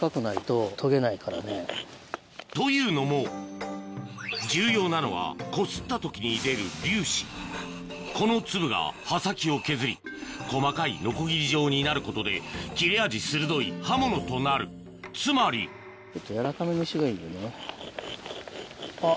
というのも重要なのはこすった時に出る粒子この粒が刃先を削り細かいノコギリ状になることで切れ味鋭い刃物となるつまりあっ。